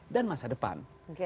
dan masa depan